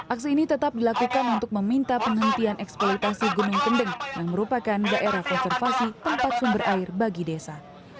aksi ini tetap dilakukan untuk meminta penghentian eksploitasi gunung kendeng yang merupakan daerah konservasi tempat sumber air bagi desa